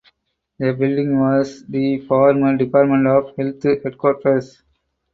The building was the former Department of Health headquarters.